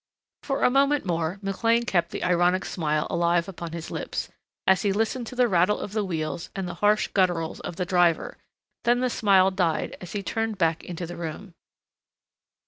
For a moment more McLean kept the ironic smile alive upon his lips, as he listened to the rattle of the wheels and the harsh gutturals of the driver, then the smile died as he turned back into the room.